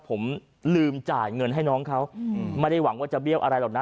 ผมลืมจ่ายเงินให้น้องเขาไม่ได้หวังว่าจะเบี้ยวอะไรหรอกนะ